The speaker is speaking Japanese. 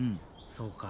そうか。